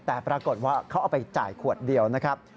แต่ปรากฏว่าเขาเอาไปจ่ายขวดเดียวนะครับ